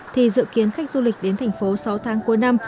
thì dự kiến khách du lịch đến thành phố sáu tháng cuối năm